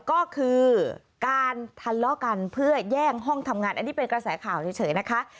ก็คือการทะเลาะกันเพื่อแย่งห้องทำงานอันนี้เป็นกระแสข่าวเฉยนะคะ